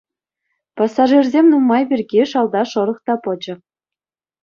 Пассажирсем нумай пирки шалта шӑрӑх та пӑчӑ.